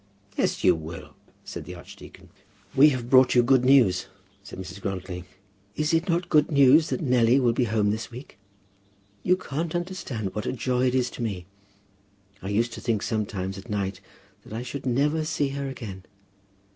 "Yes, you will," said the archdeacon. "We have brought you good news," said Mrs. Grantly. "Is it not good news that Nelly will be home this week? You can't understand what a joy it is to me. I used to think sometimes, at night, that I should never see her again.